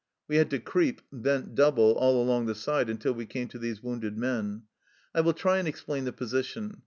We had to creep, bent double, all along the side, until we came to these wounded men. I will try and explain the position.